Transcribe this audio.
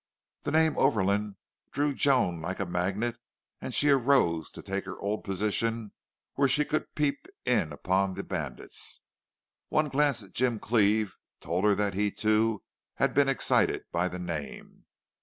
The name Overland drew Joan like a magnet and she arose to take her old position, where she could peep in upon the bandits. One glance at Jim Cleve told her that he, too, had been excited by the name.